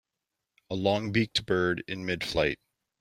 A longbeaked bird in midflight.